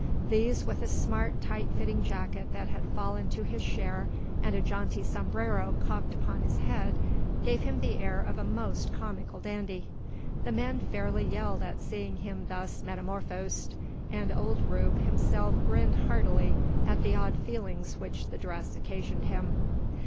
These, with a smart, tight fitting jacket that had fallen to his share, and a jaunty sombrero cocked upon his head, gave him the air of a most comical dandy. The men fairly yelled at seeing him thus metamorphosed, and old Rube himself grinned heartily at the odd feelings which the dress occasioned him.